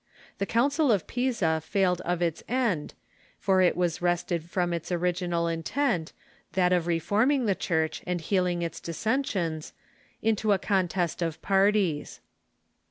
The Coun cil of Pisa failed of its end, for it was wrested from its original intent — that of reforming the Church and healing its dissen sions— into a contest of parties.